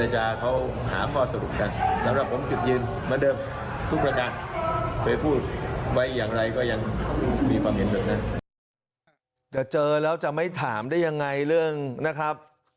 จะเจอแล้วจะไม่ถามได้ยังไงเรื่องนะครับ